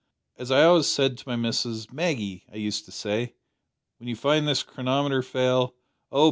As I always said to my missus, `Maggie,' I used to say, `when you find this chronometer fail ' `Oh!